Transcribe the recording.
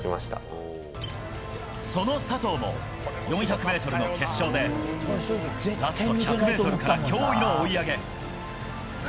その佐藤も４００ｍの決勝でラスト１００ｍから驚異の追い上げ。